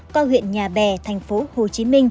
cao huyện nhà bè tp hcm